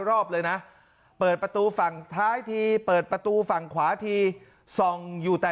รอบเลยนะเปิดประตูฝั่งท้ายทีเปิดประตูฝั่งขวาทีส่องอยู่แต่